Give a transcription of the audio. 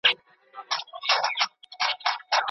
کله د اوبو کمښت د جګړې لامل کیږي؟